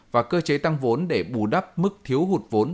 và cơ chế tăng vốn để bù đắp mức thiếu hụt vốn